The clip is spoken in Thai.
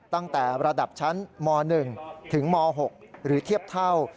ตั้งแต่ระดับชั้นม๑ถึงม๖หรือเทียบเท่า